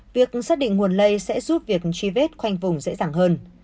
việc xác định nguồn lây sẽ giúp việc truy vết khoanh vùng dễ dàng hơn